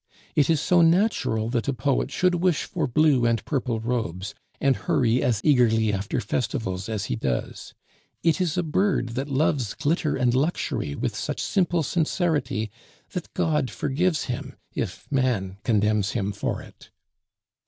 It is so natural that a poet should wish for blue and purple robes, and hurry as eagerly after festivals as he does. It is a bird that loves glitter and luxury with such simple sincerity, that God forgives him if man condemns him for it."